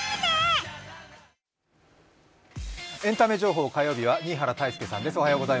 エンタメ情報、火曜日は新原泰佑さんです。